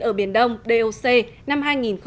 ở biển đông doc năm hai nghìn hai